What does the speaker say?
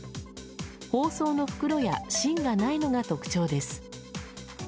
包装の袋や芯がないのが特徴です。